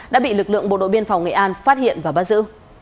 đã bị lực lượng bộ đội biên phòng nghệ an phát hiện và bắt giữ